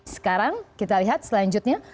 sekarang kita lihat selanjutnya